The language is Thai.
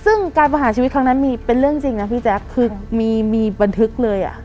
ซึ่งการประหารชีวิตครั้งนั้นมีเป็นเรื่องจริงนะพี่แจ๊คคือมีบันทึกเลยอ่ะ